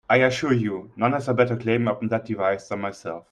I assure you, none has a better claim upon that device than myself.